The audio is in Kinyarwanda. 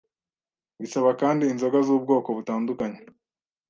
Bisaba kandi inzoga z’ubwoko butandukanye